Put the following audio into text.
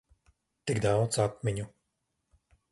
Tik daudz atmiņu.